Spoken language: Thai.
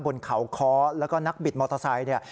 บนเขาค้อแล้วก็นักบิดมอเตอร์ไซค์เนี่ย